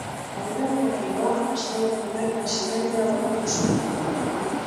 Aurreakordioa astelehenean bertan sinatzea aurreikusi dute.